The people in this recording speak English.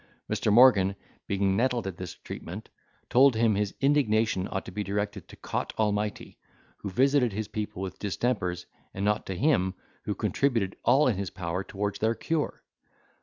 Mr. Morgan, being nettled at this treatment, told him his indignation ought to be directed to Cot Almighty, who visited his people with distempers, and not to him, who contributed all in his power towards their cure.